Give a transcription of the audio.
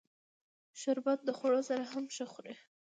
شربت د خوړو سره هم ښه خوري